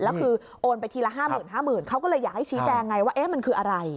แล้วคือโอนไปทีละ๕๕๐๐๐เขาก็เลยอยากให้ชี้แจงไงว่ามันคืออะไร